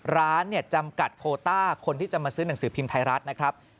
ร้านเนี่ยจำกัดโคต้าคนที่จะมาซื้อหนังสือพิมพ์ไทยรัฐนะครับ